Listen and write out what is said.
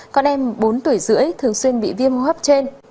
con em bốn tuổi rưỡi thường xuyên bị viêm hấp trên